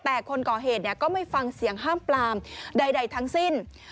แต่คนก่อเหตุก็ไม่ฟังเสียงห้ามปลามใดทั้งสิ้น